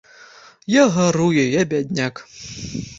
Я гарую, я бядняк.